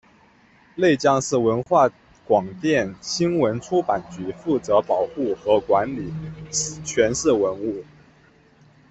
内江市文化广电新闻出版局负责保护和管理全市文物。